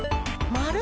まる！